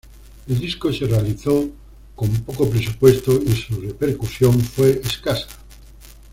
El disco se realizó con poco presupuesto y su repercusión fue escasa.